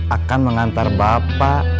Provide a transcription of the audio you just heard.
akan mengantar bapak